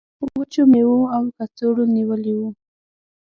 وچو میوو او کڅوړو نیولی و.